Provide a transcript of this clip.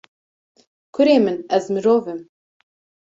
Kurê min, ez mirov im.